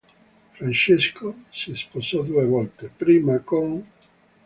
Francesco si sposò due volte: prima con